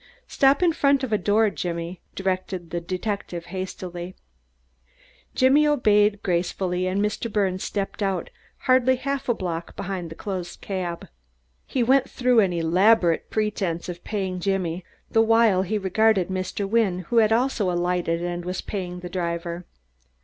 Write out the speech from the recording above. "Stop in front of a door, Jimmy," directed the detective hastily. Jimmy obeyed gracefully, and Mr. Birnes stepped out, hardly half a block behind the closed cab. He went through an elaborate pretense of paying Jimmy, the while he regarded Mr. Wynne, who had also alighted and was paying the driver.